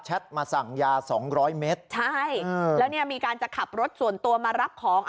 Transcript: แชทมาสั่งยาสองร้อยเมตรใช่มีการจะขับรถส่วนตัวมารับของ